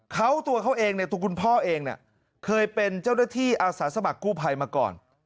เขาตัวเขาเองเนี่ยตัวคุณพ่อเองเนี่ยเคยเป็นเจ้าหน้าที่อาสาสมัครกู้ภัยมาก่อน